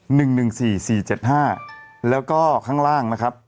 หนึ่งหนึ่งสี่สี่เจ็ดห้าแล้วก็ข้างล่างนะครับ